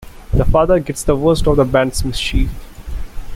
The father gets the worst of the band's mischief.